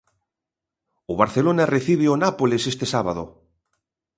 O Barcelona recibe o Nápoles este sábado.